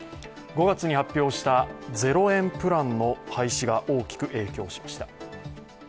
５月に発表した０円プランの廃止が大きく影響しました。